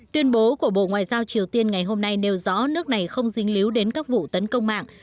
tuyên bố của bộ ngoại giao triều tiên ngày hôm nay nêu rõ nước này không dính líu đến các vụ tấn công mạng